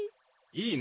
いいね！